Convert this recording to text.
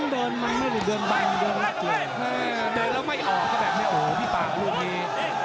เดินแล้วไม่ออกก็แบบ